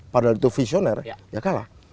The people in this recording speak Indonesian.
padahal itu visioner ya kalah